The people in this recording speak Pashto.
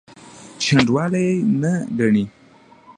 شنډوالي نه ګڼي.